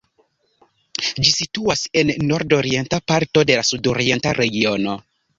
Ĝi situas en la nordorienta parto de la sudorienta regiono.